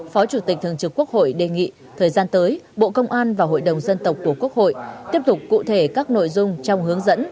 phó chủ tịch thường trực quốc hội đề nghị thời gian tới bộ công an và hội đồng dân tộc của quốc hội tiếp tục cụ thể các nội dung trong hướng dẫn